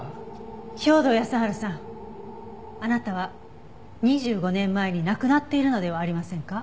兵働耕春さんあなたは２５年前に亡くなっているのではありませんか？